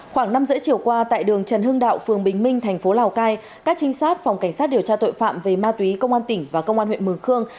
khoảng năm h ba mươi chiều qua tại đường trần hưng đạo phường bình minh thành phố lào cai các trinh sát phòng cảnh sát điều tra tội phạm về ma túy công an tỉnh và công an huyện mường khương